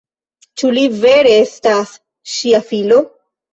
Ĉu li vere estas ŝia filo?